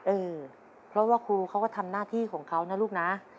เออเพราะว่าครูเขาก็ทำหน้าที่ของเขานะลูกนะ